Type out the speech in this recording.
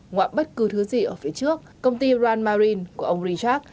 ngoạm bất cứ thứ gì ở phía trước công ty rand marine của ông richard